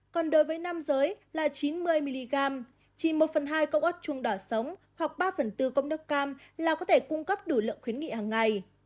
còn đối với nam giới là chín mươi mg chỉ một phần hai cốc ớt chuông đỏ sống hoặc ba phần bốn cốc nước cam là có thể cung cấp đủ lượng khuyến nghị hằng ngày